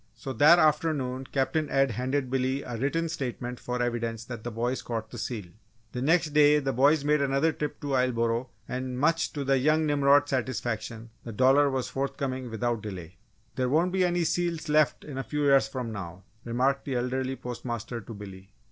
So that afternoon Captain Ed handed Billy a written statement for evidence that the boy caught the seal. The next day the boys made another trip to Islesboro and much to the young Nimrod's satisfaction the dollar was forthcoming without delay. "There won't be any seals left a few years from now," remarked the elderly postmaster to Billy.